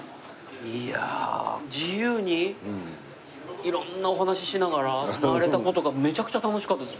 いや自由に色んなお話ししながら回れた事がめちゃくちゃ楽しかったです。